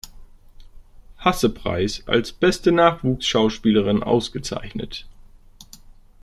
Hasse-Preis als beste Nachwuchsschauspielerin ausgezeichnet.